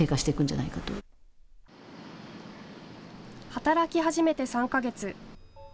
働き始めて３か月。